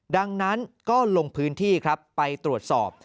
ดังนั้นก็ลงพื้นที่ครับไปตรวจสอบ